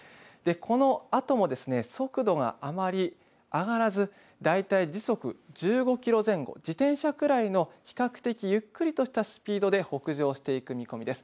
このあとも速度があまり上がらず大体時速１５キロ前後自転車くらいの比較的ゆっくりとしたスピードで北上していく見込みです。